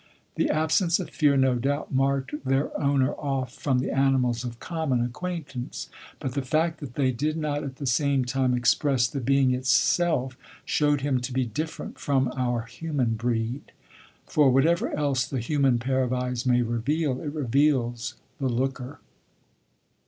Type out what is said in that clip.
The absence of fear, no doubt, marked their owner off from the animals of common acquaintance; but the fact that they did not at the same time express the being itself showed him to be different from our human breed. For whatever else the human pair of eyes may reveal, it reveals the looker.